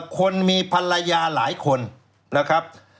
คนมีภรรยาหลายคนนะครับ